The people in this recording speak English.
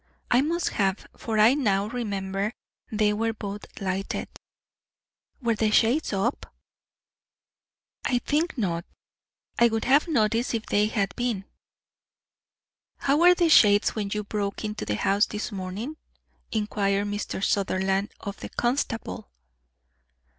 "I must have; for I now remember they were both lighted." "Were the shades up?" "I think not. I would have noticed it if they had been." "How were the shades when you broke into the house this morning?" inquired Mr. Sutherland of the constable.